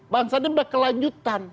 bangsa ini berkelanjutan